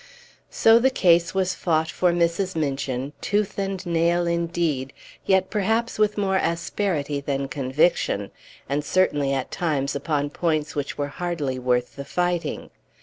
So the case was fought for Mrs. Minchin, tooth and nail indeed, yet perhaps with more asperity than conviction, and certainly at times upon points which were hardly worth the fighting.